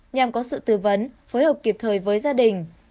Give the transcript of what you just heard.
nhằm có sự tư vấn phối hợp kịp thời với gia đình